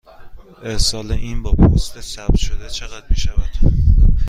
ارسال این با پست ثبت شده چقدر می شود؟